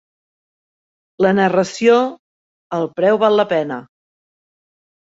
La narració ""...el preu val la pena.